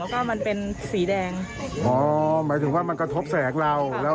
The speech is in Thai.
ก็มันเป็นสีแดงอ๋อหมายถึงว่ามันกระทบแสงเราแล้ว